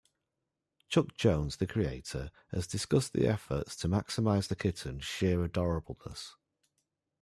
Chuck Jones, the creator, has discussed the efforts to maximize the kitten's sheer adorableness.